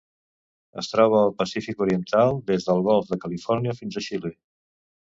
Es troba al Pacífic oriental: des del Golf de Califòrnia fins a Xile.